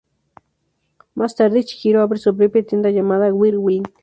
Más tarde, Chihiro abre su propia tienda llamada Whirlwind.